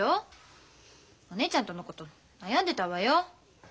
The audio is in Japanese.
お姉ちゃんとのこと悩んでたわよ。